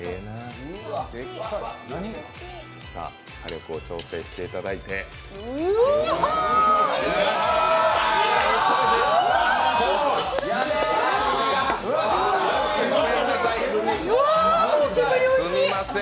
火力を調整していただいてうーっわー！